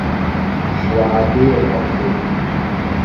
Ҳуаа беиақәамхеит.